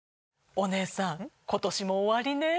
お姉さん今年も終わりねぇ。